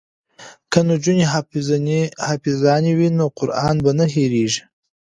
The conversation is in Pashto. که نجونې حافظانې وي نو قران به نه هیریږي.